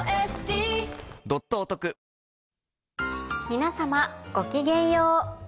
皆様ごきげんよう。